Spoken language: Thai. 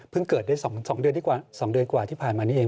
เพิ่งเกิดได้๒เดือนกว่าที่ผ่านมานี้เอง